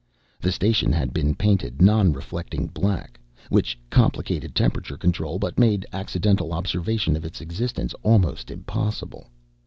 The station had been painted non reflecting black, which complicated temperature control but made accidental observation of its existence almost impossible.